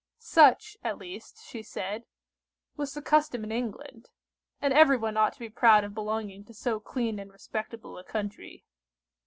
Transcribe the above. Such, at least, she said, was the custom in England, and everyone ought to be proud of belonging to so clean and respectable a country.